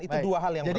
itu dua hal yang berbeda